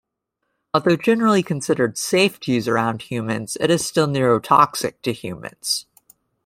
Although generally considered safe to use around humans, it is still neurotoxic to humans.